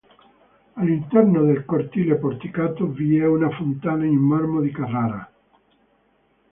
All'interno del cortile porticato vi è una fontana in marmo di Carrara.